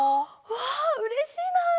わあうれしいなあ！